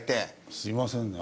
すいませんね。